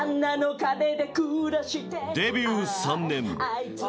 ［デビュー３年］